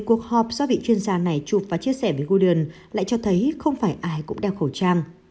cuộc họp do vị chuyên gia này chụp và chia sẻ với goden lại cho thấy không phải ai cũng đeo khẩu trang